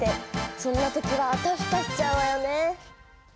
そんなときはあたふたしちゃうわよね。